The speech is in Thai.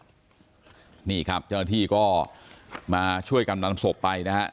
ยืนนะฮะนี่ครับเจ้าหน้าที่ก็มาช่วยกำลังสบไปนะฮะ